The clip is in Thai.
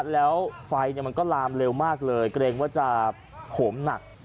แล้วไฟมันก็ลามเร็วมากเลยเกรงว่าจะโหมหนัก